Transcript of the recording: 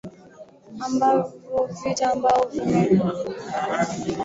ambao vita ambao vimedumu kwa zaidi miaka ya ishirini